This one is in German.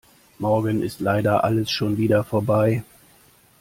Morgen ist leider alles schon wieder vorbei.